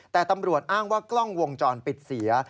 แต่ตำรวจอ้างว่ากล้องวงจรปิดเสีย